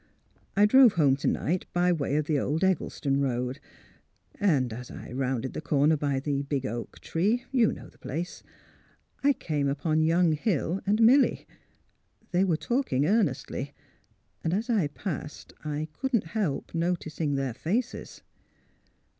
'' I drove home to night by way of the old Eg gleston road ; and as I rounded the corner by the big oak tree — you know the i^lace — I came upon young Hill and Milly. They were talking ear nestly. And as I passed I couldn't help noticing their faces."